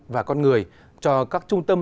và con người cho các trung tâm